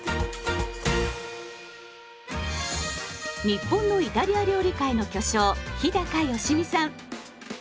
日本のイタリア料理界の巨匠日良実さん。